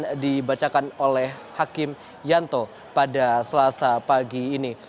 yang dibacakan oleh hakim yanto pada selasa pagi ini